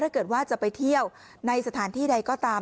ถ้าเกิดว่าจะไปเที่ยวในสถานที่ใดก็ตาม